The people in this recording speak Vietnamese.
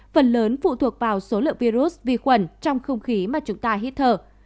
phần lớn phụ thuộc vào số lượng virus vi khuẩn trong không khí mà chúng ta hít thở